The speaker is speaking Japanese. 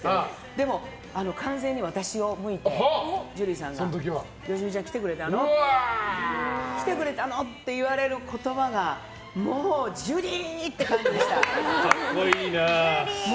でも、完全に私のほうを向いてジュリーさんがよしみちゃん、来てくれたの？って言われる言葉がジュリー！って感じでした。